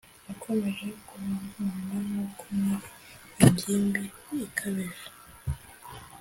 yakomeje kunkunda nubwo nari ingimbi ikabije.